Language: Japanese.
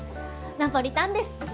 ナポリタンです！